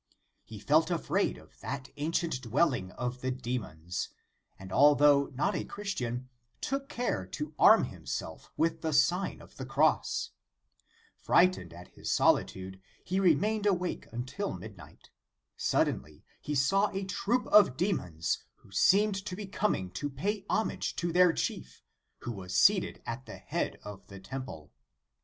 He felt afraid of that ancient dwelling of the demons, and although not a Christian, took care to arm himself with the Sign of the Cross. " Frightened at his solitude, he remained awake until midnight. Suddenly he saw a troop of demons, who seemed to be coming to pay homage to their chief, who was seated at the head of the temple.